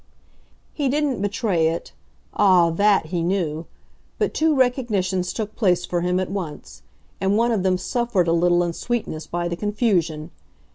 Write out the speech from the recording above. He didn't betray it ah THAT he knew; but two recognitions took place for him at once, and one of them suffered a little in sweetness by the confusion.